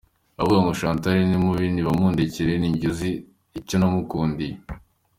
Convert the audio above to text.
Abavuga ngo Chantal ni mubi nibamundekere, ni njye uzi icyo namukundiye.